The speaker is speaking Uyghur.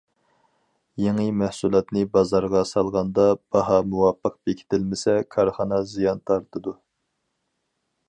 يېڭى مەھسۇلاتنى بازارغا سالغاندا، باھا مۇۋاپىق بېكىتىلمىسە، كارخانا زىيان تارتىدۇ.